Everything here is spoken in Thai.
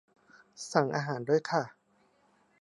สั่งอาหารด้วยค่ะ